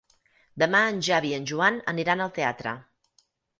Demà en Xavi i en Joan aniran al teatre.